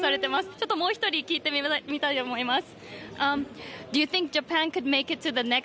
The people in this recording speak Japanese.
ちょっと、もう１人に聞いてみたいと思います。